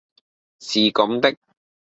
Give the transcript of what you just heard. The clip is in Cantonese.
是咁的